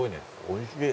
おいしい。